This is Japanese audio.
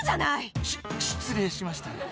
し失礼しました。